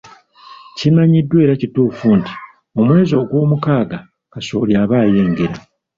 Kimanyiddwa era kituufu nti ,mu mwezi ogwomukaaga kasooli aba ayengera.